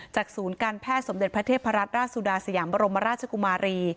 ศูนย์การแพทย์สมเด็จพระเทพรัตนราชสุดาสยามบรมราชกุมารี